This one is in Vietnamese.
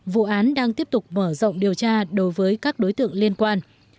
vụ án đang tiếp tục mở rộng điều tra đối với các đối tượng liên quan